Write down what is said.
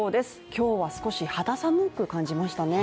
今日は少し肌寒く感じましたね。